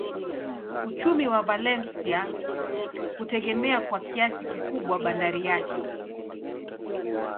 Uchumi wa Valencia hutegemea kwa kiasi kikubwa bandari yake.